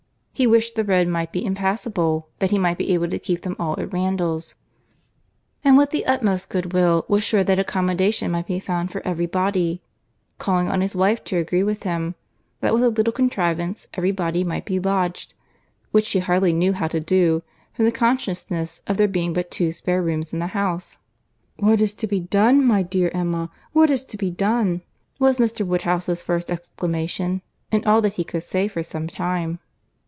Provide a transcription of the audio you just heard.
He wished the road might be impassable, that he might be able to keep them all at Randalls; and with the utmost good will was sure that accommodation might be found for every body, calling on his wife to agree with him, that with a little contrivance, every body might be lodged, which she hardly knew how to do, from the consciousness of there being but two spare rooms in the house. "What is to be done, my dear Emma?—what is to be done?" was Mr. Woodhouse's first exclamation, and all that he could say for some time.